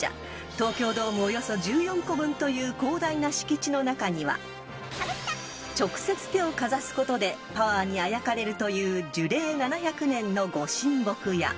［東京ドームおよそ１４個分という広大な敷地の中には直接手をかざすことでパワーにあやかれるという］